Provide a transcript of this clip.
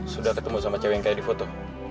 sudah ketemu sama cewek yang kayak di foto